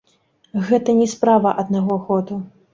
Гэта не справа аднаго году.